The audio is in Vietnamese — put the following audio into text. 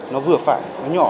nó vừa phải nó nhỏ